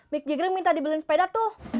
mick jagger minta dibeliin sepeda tuh